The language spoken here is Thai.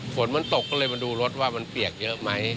ฝนมันตกก็เลยมาดูรถว่ามันเปียกเยอะไหม